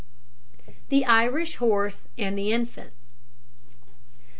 THE IRISH HORSE AND THE INFANT.